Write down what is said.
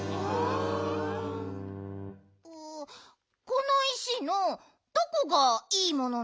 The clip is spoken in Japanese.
この石のどこがいいものなの？